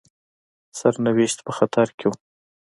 سرنوشت په خطر کې وو.